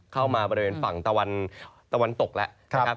เข้ามาบริเวณฝั่งตะวันตกและ